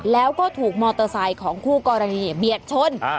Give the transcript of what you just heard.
แล้วก็ถูกมอเตอร์ไซค์ของคู่กรณีเบียดชน